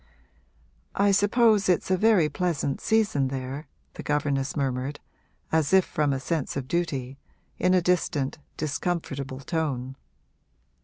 'I suppose it's a very pleasant season there,' the governess murmured, as if from a sense of duty, in a distant, discomfortable tone.